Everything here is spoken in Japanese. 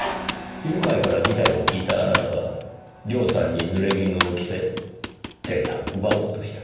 犬飼から事態を聞いたあなたは涼さんに濡れ衣を着せデータを奪おうとした。